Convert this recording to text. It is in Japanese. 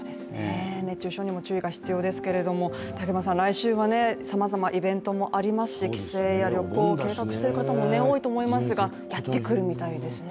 熱中症にも注意が必要ですけれども来週はさまざまイベントもありますし帰省や旅行も計画している方が多いと思いますがやってくるみたいですね。